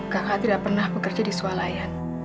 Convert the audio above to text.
kakak tidak pernah bekerja di sekolah lain